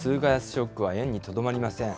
ショックは円にとどまりません。